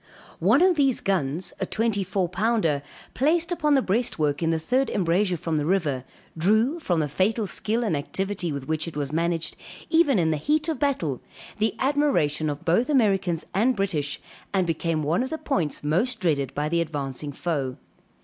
One of these guns, a twenty four pounder, placed upon the breastwork in the third embrasure from the river, drew, from the fatal skill and activity with which it was managed, even in the heat of battle, the admiration of both Americans and British; and became one of the points most dreaded by the advancing foe.